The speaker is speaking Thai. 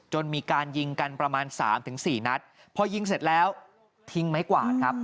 มีการยิงกันประมาณสามถึงสี่นัดพอยิงเสร็จแล้วทิ้งไม้กวาดครับ